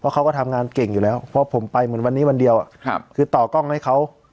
เก่งอยู่แล้วเพราะผมไปเหมือนวันนี้วันเดียวอ่ะครับคือต่อกล้องให้เขา